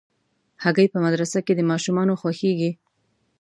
هګۍ په مدرسه کې د ماشومانو خوښېږي.